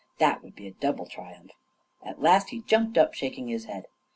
That would be a double triumph I At last he jumped up, shaking his head.